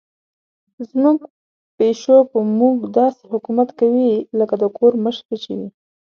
زموږ پیشو په موږ داسې حکومت کوي لکه د کور مشره چې وي.